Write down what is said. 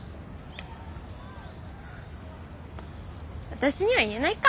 私には言えないか。